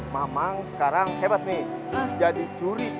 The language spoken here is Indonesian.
mamang sekarang hebat nih jadi curi